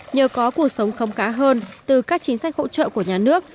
nhờ có cuộc sống khâm cá hơn từ các chính sách hỗ trợ của nhà nước